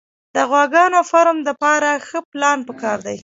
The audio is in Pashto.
د غواګانو فارم دپاره ښه پلان پکار دی